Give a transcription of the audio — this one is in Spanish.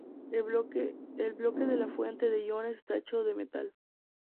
El bloque de la fuente de iones está hecho de metal.